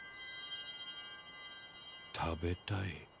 食べたい。